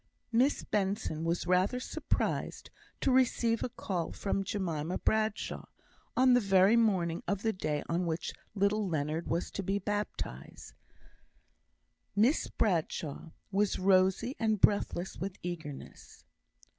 Miss Benson was rather surprised to receive a call from Jemima Bradshaw, on the very morning of the day on which little Leonard was to be baptized; Miss Bradshaw was rosy and breathless with eagerness.